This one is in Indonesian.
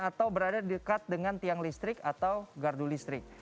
atau berada dekat dengan tiang listrik atau gardu listrik